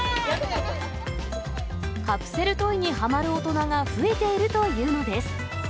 カプセルトイにはまる大人が増えているというのです。